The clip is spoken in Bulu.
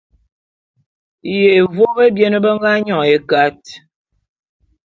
Yévô bebien be nga nyon ékat.